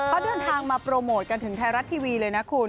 เขาเดินทางมาโปรโมทกันถึงไทยรัฐทีวีเลยนะคุณ